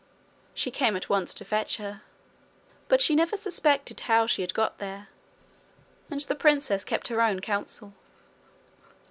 She came at once to fetch her; but she never suspected how she had got there, and the princess kept her own counsel.